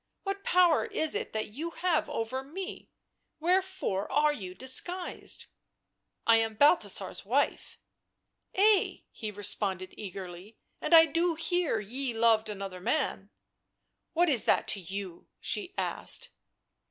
What power is it that you have over me ? Wherefore are you disguised ?"" I am Balthasar's wife." " Ay," he responded eagerly; <c and I do hear ye loved another man "" What is that to you?" she asked.